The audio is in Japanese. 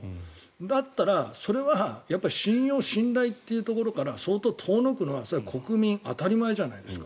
だったら、それは信用、信頼というところから相当遠のくのは国民、当たり前じゃないですか。